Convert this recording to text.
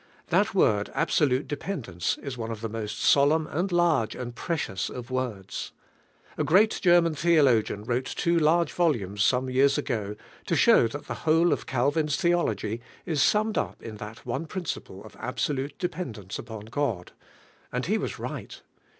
That word absolute dependence is one of the mosl solemn and large and precious of words. A greai German the ologian wrote two large volumes some tlVlSE 1IEAUNO. 201 years ago, to show that the whole of Calvin's theology ia summed up in that one principle of absolute dependence up on God; and he was right.